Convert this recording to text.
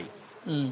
うん。